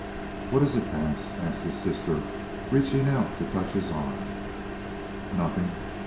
"What is it, Vance?" asked his sister, reaching out to touch his arm. "Nothing."